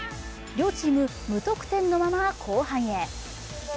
両チーム無得点のまま後半へ。